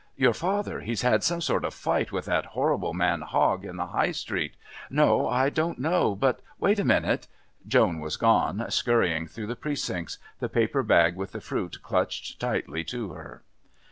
Your father...he's had some sort of fight with that horrible man Hogg in the High Street.... No, I don't know...But wait a minute...." Joan was gone, scurrying through the Precincts, the paper bag with the fruit clutched tightly to her.